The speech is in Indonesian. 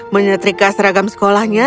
menyetrika seragam sekolahnya